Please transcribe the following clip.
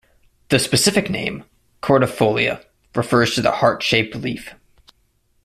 The specific name, "cordifolia", refers to the heart-shaped leaf.